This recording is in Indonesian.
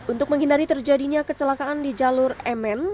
untuk menghindari terjadinya kecelakaan di jalur mn